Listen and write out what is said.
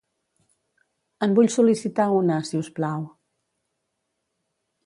En vull sol·licitar una, si us plau.